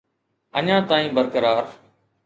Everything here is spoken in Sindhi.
اڃا تائين برقرار.